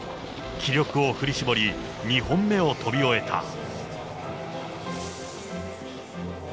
気力を振り絞り、２本目を飛び終えた。